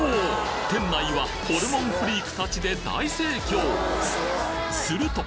店内はホルモンフリークたちで大盛況すると！